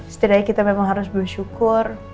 setidaknya kita memang harus bersyukur